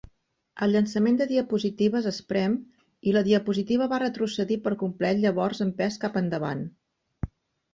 El llançament de diapositives es prem i la diapositiva va retrocedir per complet llavors empès cap endavant.